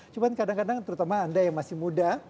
cuma kadang kadang terutama anda yang masih muda